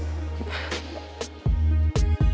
lu gak liat aku sedikit juga